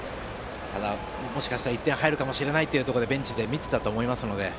もしかしたら１点入るかもしれないとベンチで見ていたと思いますので。